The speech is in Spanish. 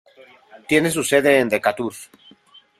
Tiene su sede en Decatur.